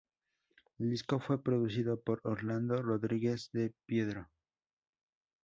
El disco fue producido por Orlando Rodríguez Di Pietro.